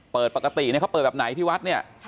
เปิดปกติเขาเปิดแบบไหนที่วัด